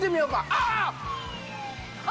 ああ！